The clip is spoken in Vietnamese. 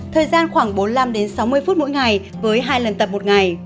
thời gian khoảng bốn mươi năm đến sáu mươi phút mỗi ngày với hai lần tập một ngày